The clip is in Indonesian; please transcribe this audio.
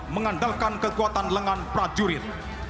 mengandalkan kekuatan lengan prajurit